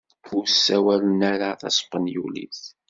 Ur ssawalen ara taspenyulit.